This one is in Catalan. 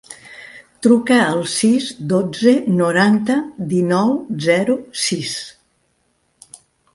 Truca al sis, dotze, noranta, dinou, zero, sis.